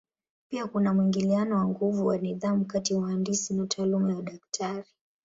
Pia kuna mwingiliano wa nguvu wa nidhamu kati ya uhandisi na taaluma ya udaktari.